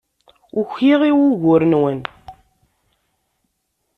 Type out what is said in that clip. Ukiɣ i wugur-nwen.